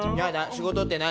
仕事って何？